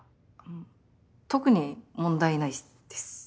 ん特に問題ないです。